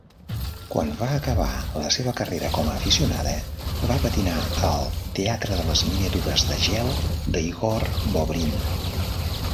Quan va acabar la seva carrera com a aficionada, va patinar al Teatre de les Miniatures de Gel d'Igor Bobrin.